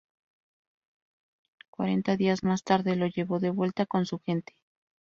Cuarenta días más tarde lo llevó de vuelta con su gente.